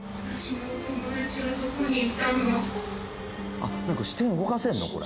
あっなんか視点動かせんのこれ。